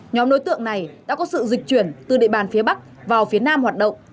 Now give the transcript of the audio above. nhóm đối tượng này đã có sự dịch chuyển từ địa bàn phía bắc vào phía nam hoạt động